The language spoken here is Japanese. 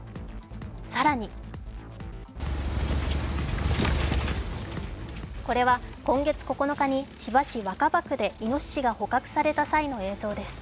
更にこれは今月９日に千葉市若葉区でイノシシが捕獲された際の映像です。